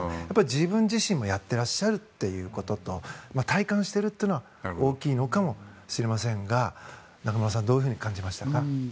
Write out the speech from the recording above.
自分自身もやってらっしゃるということと体感しているというのは大きいのかもしれませんが中室さん、どういうふうに感じましたか？